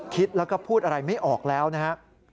คิดแล้วก็พูดอะไรไม่ออกแล้วนะครับ